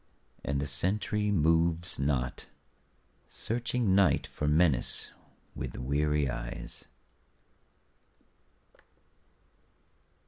And the sentry moves not, searching Night for menace with weary eyes.